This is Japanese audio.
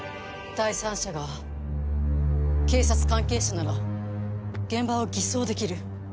第三者が警察関係者なら現場を偽装できる。